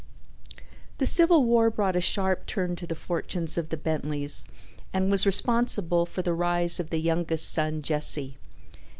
The Civil War brought a sharp turn to the fortunes of the Bentleys and was responsible for the rise of the youngest son, Jesse.